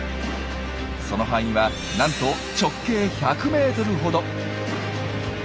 その範囲はなんと直径１００ｍほど。